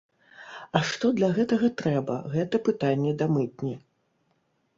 А што для гэтага трэба, гэта пытанне да мытні.